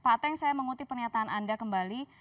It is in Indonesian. pak ateng saya mengutip pernyataan anda kembali